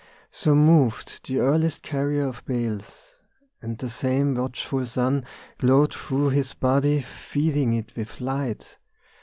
So moved the earliest carrier of bales, And the same watchful sun Glowed through his body feeding it with light.